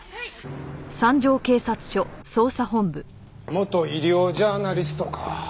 元医療ジャーナリストか。